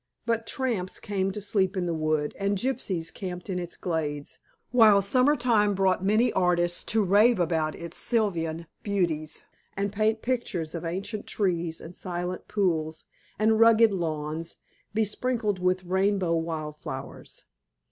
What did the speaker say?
But tramps came to sleep in the wood, and gypsies camped in its glades, while summer time brought many artists to rave about its sylvan beauties, and paint pictures of ancient trees and silent pools, and rugged lawns besprinkled with rainbow wild flowers.